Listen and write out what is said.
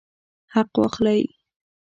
حق واخلئ